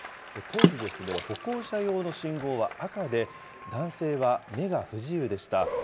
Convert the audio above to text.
当時、歩行者用の信号は赤で、男性は目が不自由でした。